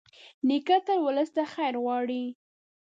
نیکه تل ولس ته خیر غواړي.